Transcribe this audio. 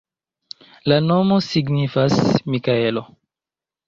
La nomo signifas Mikaelo.